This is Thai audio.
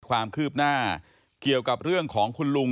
ความคืบหน้าเกี่ยวกับเรื่องของคุณลุง